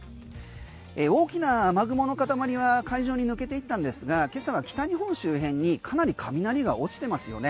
大きな雨雲の塊には海上に抜けていったんですが今朝は北日本周辺にかなり雷が落ちてますよね。